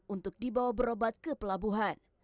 untuk dibawa berobat ke pelabuhan